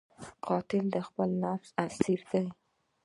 قاتل د خپل نفس اسیر دی